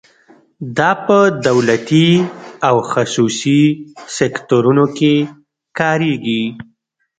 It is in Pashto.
دا په دولتي او خصوصي سکتورونو کې کاریږي.